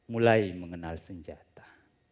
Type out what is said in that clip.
mulai mengenal senjata